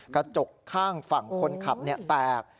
กระจกข้างฝั่งคนขับแตก